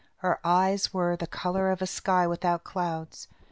Her eyes were of the color of a sky without clouds.